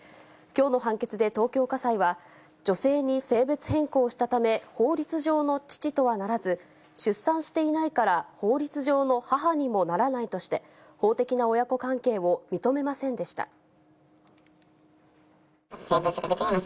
きょうの判決で東京家裁は、女性に性別変更したため、法律上の父とはならず、出産していないから法律上の母にもならないとして、法的な親子関係を認めませんでした。